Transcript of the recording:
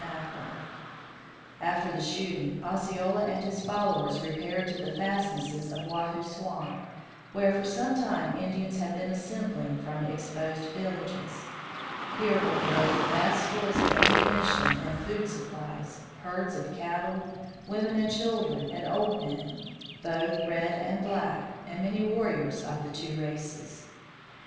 Mathla. After the shooting, Osceola and his followers repaired to the fastnesses of Wahoo Swamp, where for some time Indians had been assembling from exposed villages. Here were collected vast stores of ammunition and food supplies, herds of cattle, women and children and old men, both red and black, and many warriors of the two races.